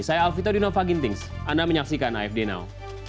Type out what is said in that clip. saya alvito dinova gintings anda menyaksikan afd now